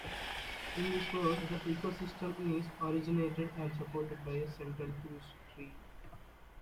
In this world, the ecosystem is originated and supported by a central huge tree.